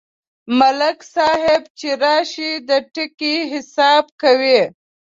ملک صاحب چې راشي، د ټکي حساب کوي.